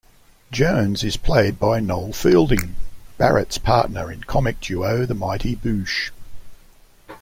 Jones is played by Noel Fielding, Barratt's partner in comic duo The Mighty Boosh.